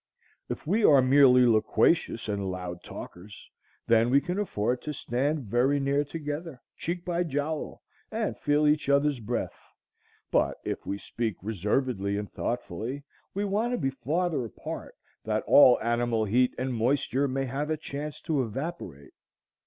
If we are merely loquacious and loud talkers, then we can afford to stand very near together, cheek by jowl, and feel each other's breath; but if we speak reservedly and thoughtfully, we want to be farther apart, that all animal heat and moisture may have a chance to evaporate.